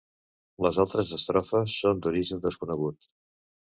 Les altres estrofes són d'origen desconegut.